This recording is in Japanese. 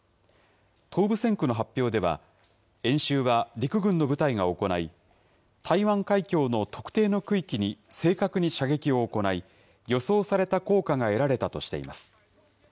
東部戦区の発表では、演習は陸軍の部隊が行い、台湾海峡の特定の区域に正確に射撃を行い、予想された効果が得られたとしています。